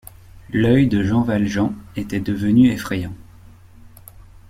L’œil de Jean Valjean était devenu effrayant.